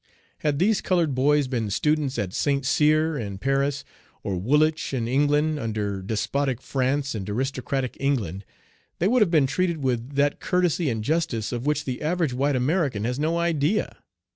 Had these colored boys been students at St. Cyr, in Paris, or Woolwich, in England, under despotic France and aristocratic England, they would have been treated with that courtesy and justice of which the average white American has no idea.